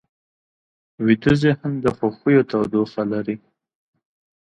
ویده ذهن د خوښیو تودوخه لري